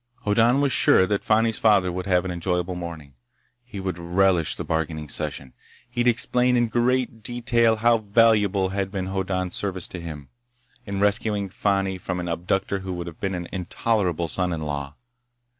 Hoddan was sure that Fani's father would have an enjoyable morning. He would relish the bargaining session. He'd explain in great detail how valuable had been Hoddan's service to him, in rescuing Fani from an abductor who would have been an intolerable son in law.